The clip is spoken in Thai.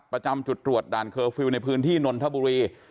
ประจำจุดตรวจด่านเคอร์ฟิลล์ในพื้นที่นนทบุรี